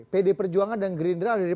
pd perjuangan dan gerindra dari